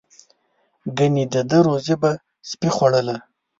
ګنې د ده روزي به سپي خوړله.